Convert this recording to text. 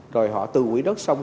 rồi họ từ quỹ đất xong